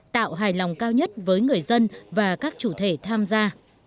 tạo hài lòng cao nhất với người dân và các chủ thể tham gia